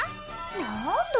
なぁんだ